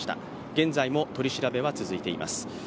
現在も取り調べは続いています。